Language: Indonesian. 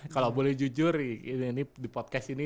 kalau boleh jujur ini di podcast ini